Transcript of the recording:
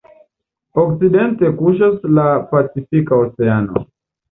Okcidente kuŝas la Pacifika Oceano.